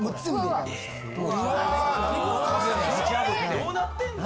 ・どうなってんの。